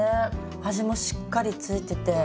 味もしっかりついてて。